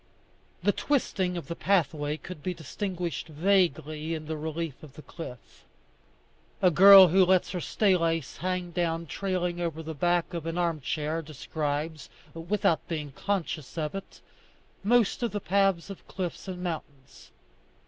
The twisting of the pathway could be distinguished vaguely in the relief of the cliff. A girl who lets her stay lace hang down trailing over the back of an armchair, describes, without being conscious of it, most of the paths of cliffs and mountains.